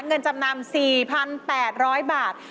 เงินจำนำ๔๘๐๐บาท